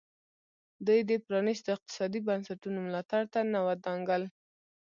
دوی د پرانیستو اقتصادي بنسټونو ملاتړ ته نه ودانګل.